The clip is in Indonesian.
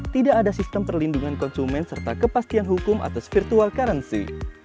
tidak ada sistem perlindungan konsumen serta kepastian hukum atas virtual currency